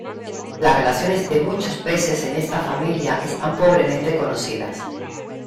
Las relaciones de muchos peces en esta familia están pobremente conocidas.